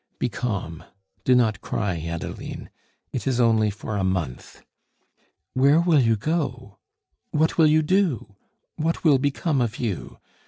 Be calm; do not cry, Adeline it is only for a month " "Where will you go? What will you do? What will become of you?